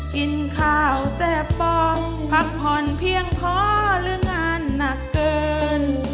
กินข้าวแซ่บปอบพักผ่อนเพียงเพราะเรื่องงานหนักเกิน